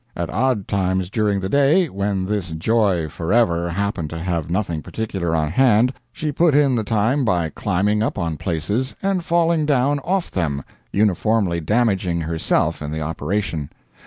At odd times during the day, when this joy forever happened to have nothing particular on hand, she put in the time by climbing up on places, and falling down off them, uniformly damaging her self in the operation.